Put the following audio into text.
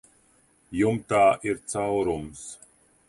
Jumtā ir caurums.